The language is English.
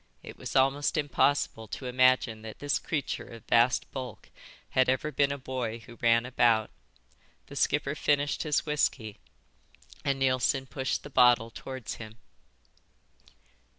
It was almost impossible to imagine that this creature of vast bulk had ever been a boy who ran about. The skipper finished his whisky, and Neilson pushed the bottle towards him.